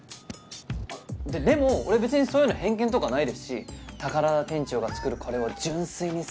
ででも俺別にそういうの偏見とかないですし宝田店長が作るカレーは純粋にすげえって思ってます。